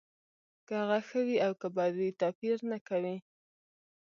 که هغه ښه وي او که بد وي توپیر نه کوي